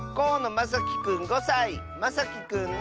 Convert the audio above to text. まさきくんの。